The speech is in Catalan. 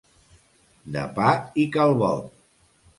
De pa i calbot.